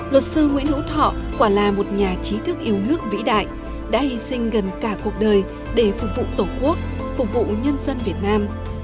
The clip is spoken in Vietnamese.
luật sư nguyễn hữu thọ quả là một nhà trí thức yêu nước vĩ đại đã hy sinh gần cả cuộc đời để phục vụ tổ quốc phục vụ nhân dân việt nam